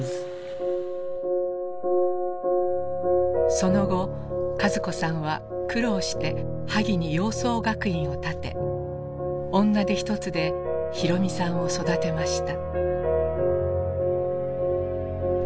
その後和子さんは苦労して萩に洋装学院を建て女手一つで博臣さんを育てました。